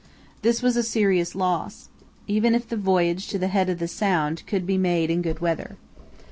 This was a serious loss, even if the voyage to the head of the sound could be made in good weather.